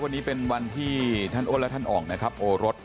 วันนี้เป็นวันที่ท่านโอ๊ดและท่านอ่องโอรส